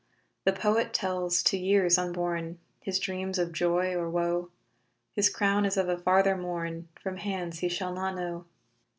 The poet tells to years unborn His dreams of joy or woe; His crown is of a farther morn, From hands he shall not know.